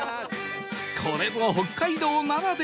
これぞ北海道ならでは